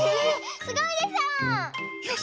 すごいでしょ？